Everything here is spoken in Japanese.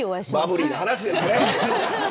バブリーな話ですね。